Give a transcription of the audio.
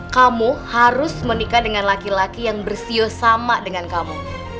kamu harus menikah dengan laki laki yang bersio sama dengan kamu